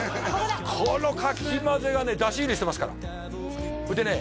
このかき混ぜがね出し入れしてますからほいでね